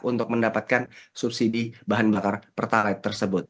untuk mendapatkan subsidi bahan bakar pertalite tersebut